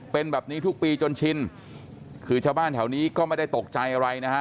เป็นแบบนี้ทุกปีจนชินคือชาวบ้านแถวนี้ก็ไม่ได้ตกใจอะไรนะฮะ